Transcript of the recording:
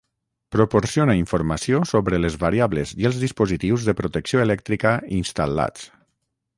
proporciona informació sobre les variables i els dispositius de protecció elèctrica instal·lats